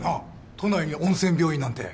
都内に温泉病院なんて。